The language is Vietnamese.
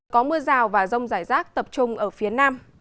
có mưa rào và rông rải rác tập trung ở phía nam